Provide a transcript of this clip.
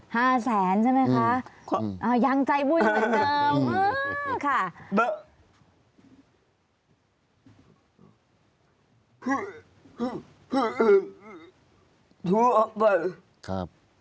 ห้าแสนใช่ไหมคะอ่ายังใจบุญเหมือนเดิมค่ะ